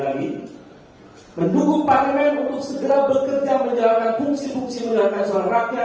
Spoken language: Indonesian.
tiga mendukung parlement bpm untuk segera bekerja menjalankan fungsi fungsinya untuk men roar sorak rakyat